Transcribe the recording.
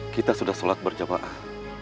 kita sudah sholat berjamaah